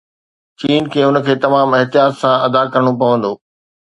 چين کي ان کي تمام احتياط سان ادا ڪرڻو پوندو